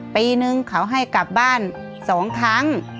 ปีนึงเขาให้กลับบ้าน๒ครั้ง